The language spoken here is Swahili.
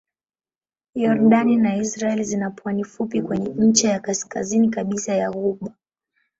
Yordani na Israel zina pwani fupi kwenye ncha ya kaskazini kabisa ya ghuba.